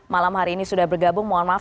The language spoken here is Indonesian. malam hari ini sudah bergabung mohon maaf